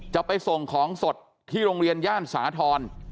จะไปส่งของสดที่โรงเรียนย่านสาธรณ์